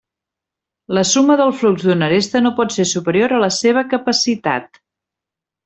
La suma del flux d'una aresta no pot ser superior a la seva capacitat.